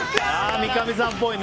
三上さんっぽいね。